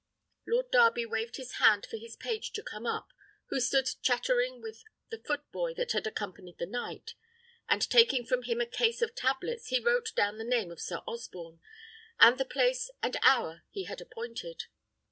Lord Darby waved his hand for his page to come up, who stood chattering with the foot boy that had accompanied the knight, and taking from him a case of tablets, he wrote down the name of Sir Osborne, and the place and hour he had appointed.